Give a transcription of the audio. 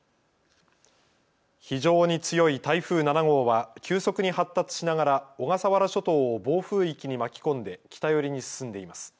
非常に強い台風７号は急速に発達しながら小笠原諸島を暴風域に巻き込んで北寄りに進んでいます。